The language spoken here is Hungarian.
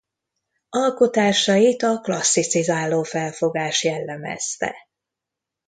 Alkotásait a klasszicizáló felfogás jellemezte.